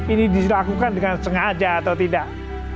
ini dilakukan dengan sengaja atau tidak